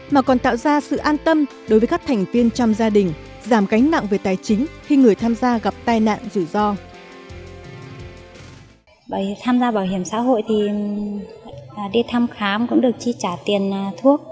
mà còn tạo ra sự an tâm đối với các thành viên trong gia đình giảm cánh nặng về tài chính khi người tham gia gặp tai nạn rủi ro